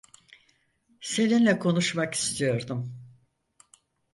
Seninle konuşmak istiyordum.